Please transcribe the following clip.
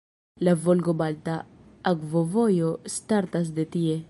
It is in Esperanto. La Volgo-Balta Akvovojo startas de tie.